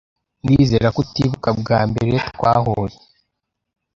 Ndizera ko utibuka bwa mbere twahuye.